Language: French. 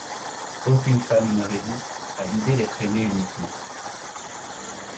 Aucune femme ne résiste à l’idée d’être aimée uniquement.